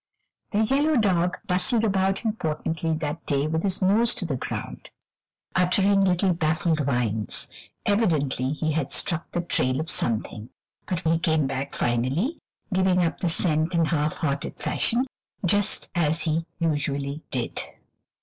The yellow dog bustled about importantly that day with his nose to the ground, uttering little baffled whines; evidently he had struck the trail of something, but he came back, finally, giving up the scent in half hearted fashion, just as he usually did.